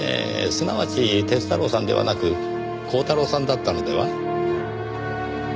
すなわち鐵太郎さんではなく鋼太郎さんだったのでは？